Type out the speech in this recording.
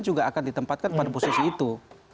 juga akan ditempatkan pada posisi itu